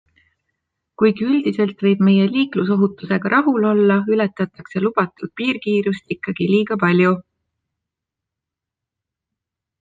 Kuigi üldiselt võib meie liiklusohutusega rahul olla, ületatakse lubatud piirkiirust ikka liiga palju.